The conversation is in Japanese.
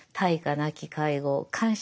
なき介護感謝